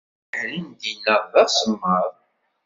Abeḥri n dinna d asemmaḍ.